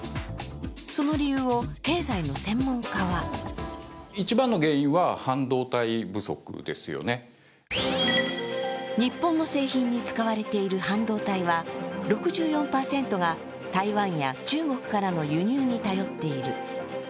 その理由を経済の専門家は日本の製品に使われている半導体は６４％が台湾や中国からの輸入に頼っている。